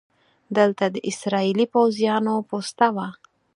دلته د اسرائیلي پوځیانو پوسته وه.